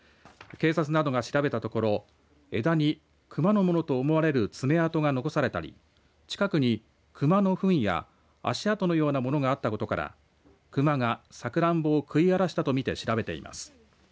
警察などが調べたところ枝にクマのものと思われる爪痕が残されたり近くにクマのふんや足跡のようなものがあったことからクマがさくらんぼを食い荒らしたとみて調べています。